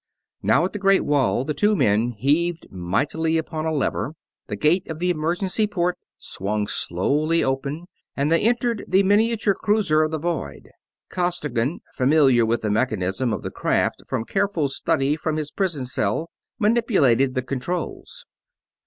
Now at the great wall, the two men heaved mightily upon a lever, the gate of the emergency port swung slowly open, and they entered the miniature cruiser of the void. Costigan, familiar with the mechanism of the craft from careful study from his prison cell, manipulated the controls.